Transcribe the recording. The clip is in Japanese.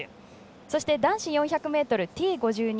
そして男子４００ｍＴ５２